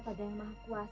pada yang maha kuasa